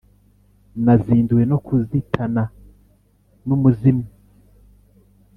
nazinduwe no kuzitana n'umuzimyi